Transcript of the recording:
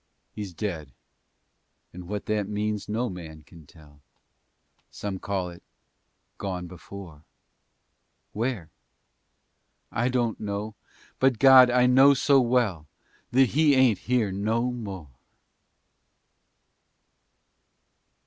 He's dead and what that means no man kin tell. Some call it "gone before." Where? I don't know, but God! I know so well That he ain't here no more!